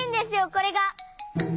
これが。